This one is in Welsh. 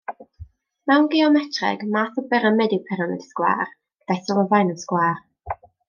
Mewn geometreg, math o byramid yw pyramid sgwâr, gyda'i sylfaen yn sgwâr.